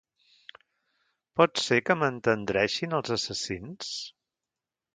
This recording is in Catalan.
Pot ser que m'entendreixin els assassins?